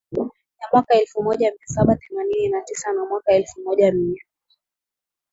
ya mwaka elfu moja mia saba themanini na tisa na mwaka elfu moja mia